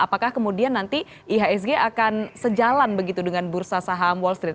apakah kemudian nanti ihsg akan sejalan begitu dengan bursa saham wall street